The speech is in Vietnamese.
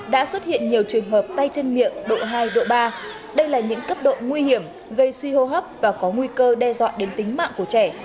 đã xuất hiện nhiều trường hợp tay chân miệng độ hai độ ba đây là những cấp độ nguy hiểm gây suy hô hấp và có nguy cơ đe dọa đến tính mạng của trẻ